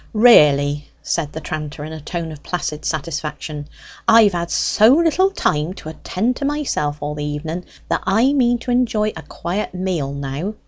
"Really," said the tranter, in a tone of placid satisfaction, "I've had so little time to attend to myself all the evenen, that I mean to enjoy a quiet meal now!